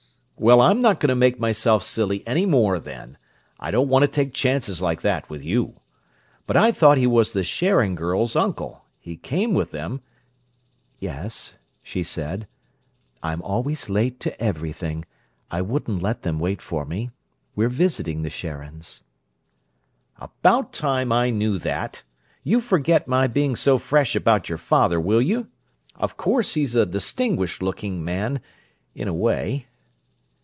"Well, I'm not going to make myself silly any more, then; I don't want to take chances like that with you. But I thought he was the Sharon girls' uncle. He came with them—" "Yes," she said, "I'm always late to everything: I wouldn't let them wait for me. We're visiting the Sharons." "About time I knew that! You forget my being so fresh about your father, will you? Of course he's a distinguished looking man, in a way."